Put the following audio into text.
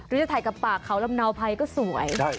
ดูจะถ่ายกับปากเขาลำนาวไพก็สวย